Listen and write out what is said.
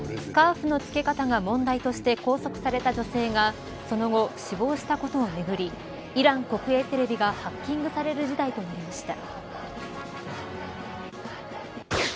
スカーフの着け方が問題として拘束された女性がその後、死亡したことをめぐりイラン国営テレビがハッキングされる事態となりました。